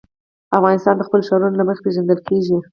افغانستان د خپلو ښارونو له مخې پېژندل کېږي.